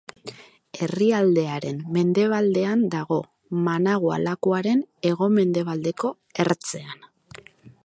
Herrialderen mendebaldean dago, Managua lakuaren hego-mendebaldeko ertzean.